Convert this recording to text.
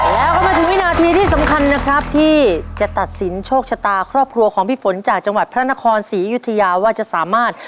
แล้วก็มาถึงวินาทีที่สำคัญนะครับที่จะตัดสินโชคชะตาครอบครัวของพี่ฝนจากจังหวัดพระนครศรีอยุธยาว่าจะสามารถ